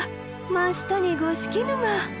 真下に五色沼！